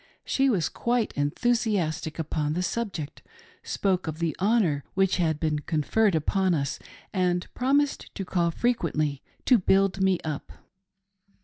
She was quite enthusi astic upon the subject, spoke of the honor which had been con ferred upon us, and promised to call frequently to " build me up."